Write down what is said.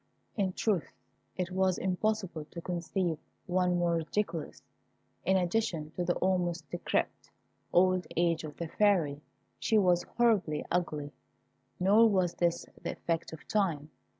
In truth it was impossible to conceive one more ridiculous. In addition to the almost decrepit old age of the Fairy, she was horribly ugly. Nor was this the effect of time.